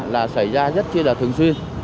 là xảy ra rất chưa là thường xuyên